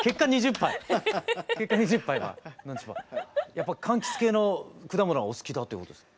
やっぱかんきつ系の果物がお好きだっていうことですか。